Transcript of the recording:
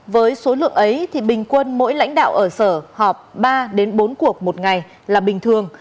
với số lượng ấy thì bình quân mỗi lãnh đạo ở sở họp ba bốn cuộc một ngày là bình thường